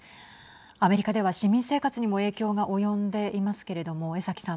アメリカでは市民生活にも影響が及んでいますけれども江崎さん。